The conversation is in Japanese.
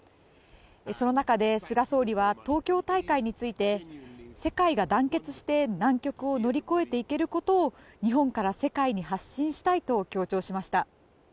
その中で菅総理は東京大会について世界が団結して難局を乗り越えていけることを日本から世界に発信したいと強調しました。